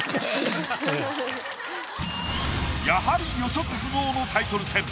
やはり予測不能のタイトル戦。